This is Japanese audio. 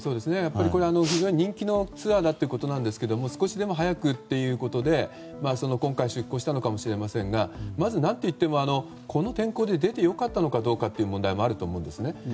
これは非常に人気のツアーだということですけども少しでも早くということで今回出航したのかもしれませんがまず何といっても、この天候で出てよかったのかという問題もあると思うんですよね。